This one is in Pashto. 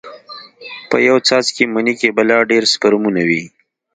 په يو څاڅکي مني کښې بلا ډېر سپرمونه وي.